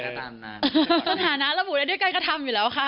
สถานะระบุได้ด้วยการกระทำอยู่แล้วค่ะ